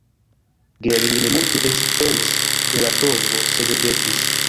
Gering ne multe esperis de la provo, sed ridetis.